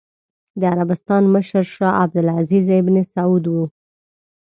د عربستان مشر شاه عبد العزېز ابن سعود و.